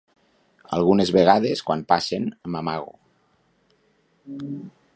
Algunes vegades quan passen m'amago.